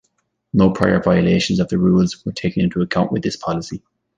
No prior violations of the rules were taken into account with this policy.